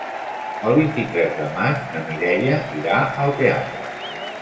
El vint-i-tres de maig na Mireia irà al teatre.